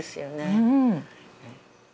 うん。